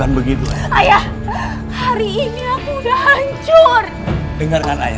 angelic benci sama ayah